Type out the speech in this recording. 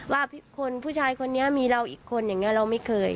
ว่าคนผู้ชายคนนี้มีเราอีกคนอย่างนี้เราไม่เคย